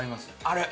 あれ。